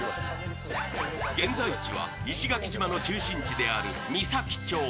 現在地は石垣島の中心地である美崎町。